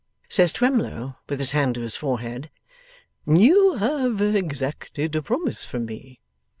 Says Twemlow, with his hand to his forehead, 'You have exacted a promise from me.